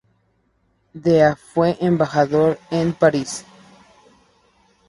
De a fue embajador en París.